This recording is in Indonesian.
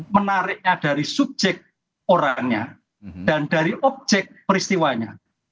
menariknya dari subjek orangnya dan dari objek peristiwanya